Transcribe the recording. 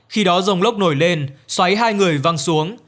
khi đó rông lốc nổi lên xoáy hai người văng xuống